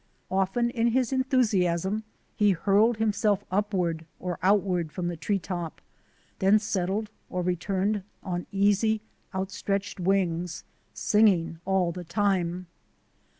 Often in his enthusiasm he hurled himself upward or outward from the tree top, then settled or returned on easy, outstretched wings, singing all the time.